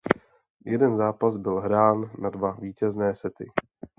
Jeden zápas byl hrán na dva vítězné sety.